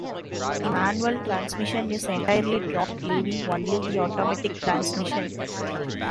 The manual transmission is entirely dropped, leaving only the automatic transmission.